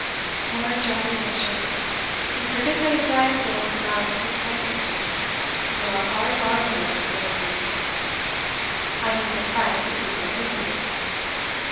"Poor Johnny Busshe! You forget that his wife doles him out his money. You're a hard bargainer, Sir Willoughby." "I mean the price to be prohibitive."